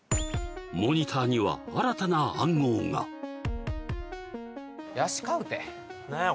モニターには新たな暗号がヤシカウテ？何や？